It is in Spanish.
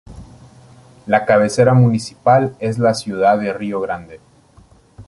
La cabecera municipal es la Ciudad de Río Grande.